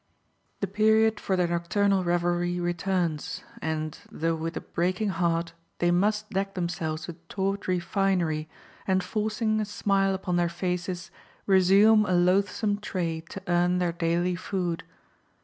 The period for their nocturnal revelry returns, and, though with a breaking heart, they must deck themselves with tawdry finery, and forcing a smile upon their faces, resume a loathsome trade to earn their daily food.